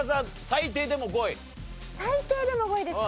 最低でも５位。